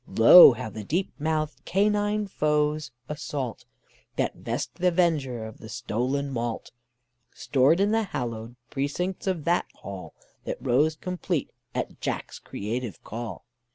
Lo! how the deep mouthed canine foe's assault, That vest th' avenger of the stolen malt Stored in the hallowed precincts of that hall That rose complete at Jack's creative call.